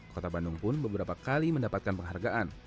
kota bandung pun beberapa kali mendapatkan penghargaan